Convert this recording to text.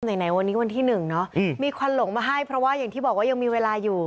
ไหนวันนี้วันที่หนึ่งเนอะมีควันหลงมาให้เพราะว่าอย่างที่บอกว่ายังมีเวลาอยู่